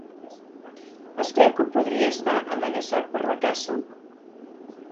Es creu que podria estar amenaçat per la caça.